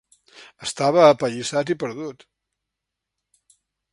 Estava apallissat i perdut.